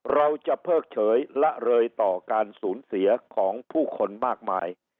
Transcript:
เราจะเพิกเฉยละเลยต่อการสูญเสียของผู้คนมากมาย